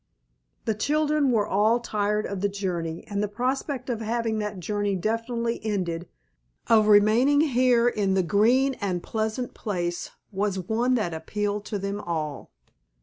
The children were all tired of the journey, and the prospect of having that journey definitely ended, of remaining here in the green and pleasant place was one that appealed to them all.